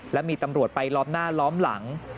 และมีตำรวจไปล้อมหน้าล้อมหลัง